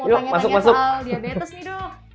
mau tanya tanya soal diabetes nih dok